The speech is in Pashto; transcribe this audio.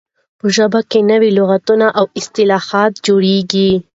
په ژبه کښي نوي لغاتونه او اصطلاحات جوړیږي.